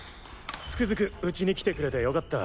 つくづくウチに来てくれて良かった。